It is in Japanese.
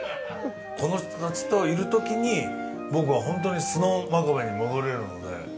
この人たちといるときに僕は本当に素の真壁に戻れるので。